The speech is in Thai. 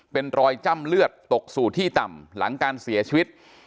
เป็นรอยจ้ำเลือดตกสู่ที่ต่ำหลังการเสียชีวิต